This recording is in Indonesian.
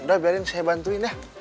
udah biarin saya bantuin ya